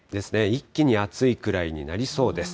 一気に暑いくらいになりそうです。